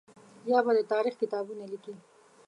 یا به د تاریخ کتابونه لیکي.